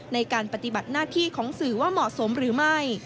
ในการปฏิบัติหน้าที่ของสื่อว่าเหมาะสมหรือไม่